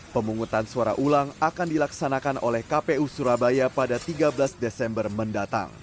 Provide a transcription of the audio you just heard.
pemungutan suara ulang akan dilaksanakan oleh kpu surabaya pada tiga belas desember mendatang